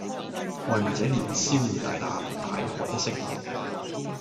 外賣仔連消帶打，大喝一聲